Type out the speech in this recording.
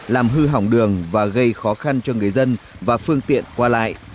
làm hư hỏng đường và gây khó khăn cho người dân và phương tiện qua lại